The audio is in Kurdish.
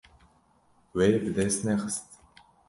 Wê bi dest nexist.